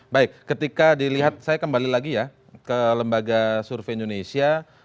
baik ketika dilihat saya kembali lagi ya ke lembaga survei indonesia